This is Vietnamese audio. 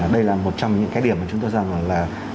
đây là một trong những cái điểm mà chúng tôi cho rằng là